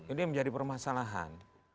ini menjadi permasalahan